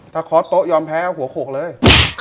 ถ้าเคาะโต๊ะยอมแพ้หัวโขกเลย